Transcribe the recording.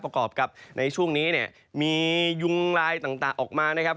ประกอบกับในช่วงนี้เนี่ยมียุงลายต่างออกมานะครับ